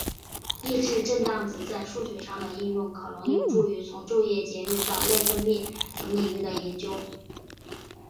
抑制震荡子在数学上的应用可能有助于从昼夜节律到内分泌等领域的研究。